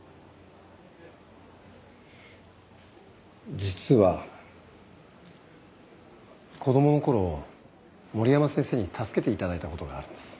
実は子供の頃森山先生に助けて頂いた事があるんです。